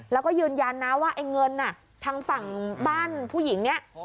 แล้วก็ยืนยันนะว่าไอ้เงินทางฝั่งบ้านผู้หญิงเนี่ย